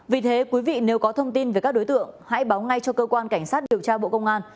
vì thế quý vị nếu có thông tin về các đối tượng hãy báo ngay cho cơ quan cảnh sát điều tra bộ công an